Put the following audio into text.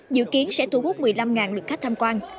dự kiến sẽ thu hút một mươi năm lực khách tham quan